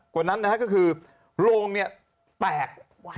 กว่านั้นนะฮะก็คือโรงเนี่ยแตก